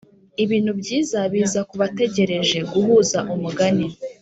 ibintu byiza biza kubategereje guhuza umugani